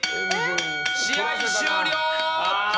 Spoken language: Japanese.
試合終了！